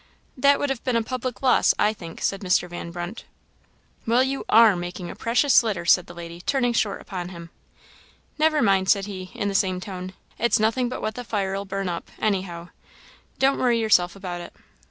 "That would have been a public loss, I think," said Mr. Van Brunt, gravely. "Well, you are making a precious litter!" said the lady, turning short upon him. "Never mind," said he, in the same tone "it's nothing but what the fire'll burn up, anyhow; don't worry yourself about it."